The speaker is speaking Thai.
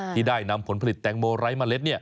ที่ได้นำผลผลิตแตงโมไร้เมล็ด